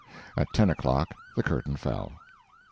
At ten o'clock the curtain fell.